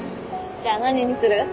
じゃあ何にする？